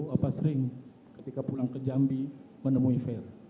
apa sering ketika pulang ke jambi menemui fair